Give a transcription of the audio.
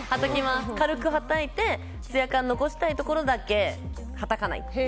軽くはたいてツヤ感残したいところだけはたかない。